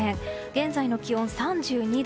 現在の気温、３２度。